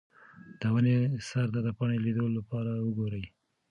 د ونې سر ته د پاڼې لیدو لپاره وګورئ.